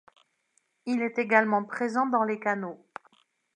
Il est également présent dans les canaux.